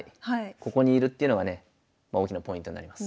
ここにいるっていうのがね大きなポイントになります。